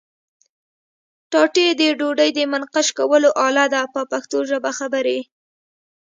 ټاټې د ډوډۍ د منقش کولو آله ده په پښتو ژبه خبرې.